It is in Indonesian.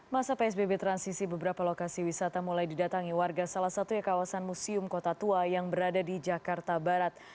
masa psbb transisi beberapa lokasi wisata mulai didatangi warga salah satunya kawasan museum kota tua yang berada di jakarta barat